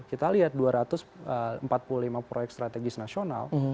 kita lihat dua ratus empat puluh lima proyek strategis nasional